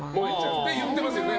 って、言ってますよね。